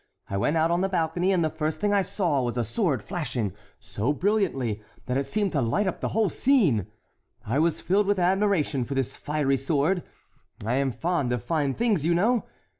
I went out on the balcony and the first thing I saw was a sword flashing so brilliantly that it seemed to light up the whole scene. I was filled with admiration for this fiery sword. I am fond of fine things, you know!